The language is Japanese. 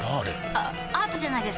あアートじゃないですか？